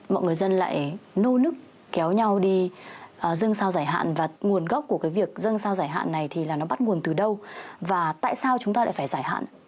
mọi người dân lại nô nức kéo nhau đi dân sao giải hạn và nguồn gốc của cái việc dân sao giải hạn này thì là nó bắt nguồn từ đâu và tại sao chúng ta lại phải giải hạn